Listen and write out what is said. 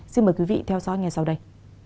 xin mời quý vị theo dõi nghe sau đây